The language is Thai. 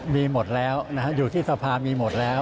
มีหมดแล้วอยู่ที่สภามีหมดแล้ว